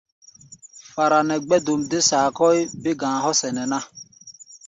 Fara nɛ gbɛ̧́-dom dé saa kɔ́ʼí, bé-ga̧a̧ hɔ́ sɛnɛ ná.